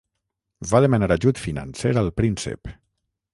Va demanar ajut financer al príncep.